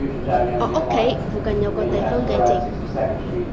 我屋企附近有個地方幾靜